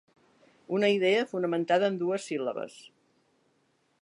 Una idea fonamentada en dues síl·labes.